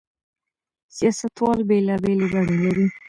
سياستوال بېلابېلې بڼې لري.